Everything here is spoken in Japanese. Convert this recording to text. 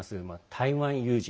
台湾有事。